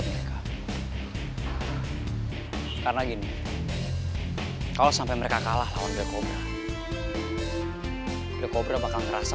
hidup sampai ke sana